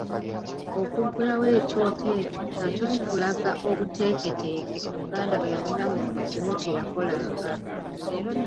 Okuggulawo ekyoto ekyo nakyo kitulaga obuteeketeeke Omuganda bwe yalina mu buli kimu kye yakolanga.